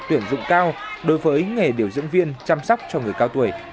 tuyển dụng cao đối với nghề điều dưỡng viên chăm sóc cho người cao tuổi